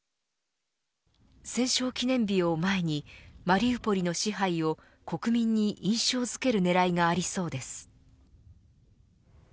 戦勝記念日を前にマリウポリの支配を国民に印象付ける狙いがありそうです。